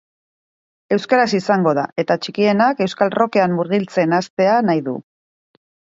Euskaraz izango da eta txikienak euskal rockean murgiltzen hastea nahi du.